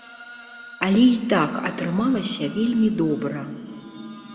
Але і так атрымалася вельмі добра.